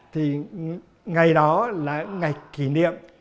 thì ngày đó là ngày kỷ niệm